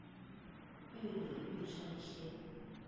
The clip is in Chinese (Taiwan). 玉里玉山線